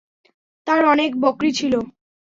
তার অনেক বকরী ছিল।